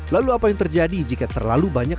lalu apa yang terjadi jika terlalu banyak